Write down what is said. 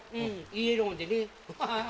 イエローでね。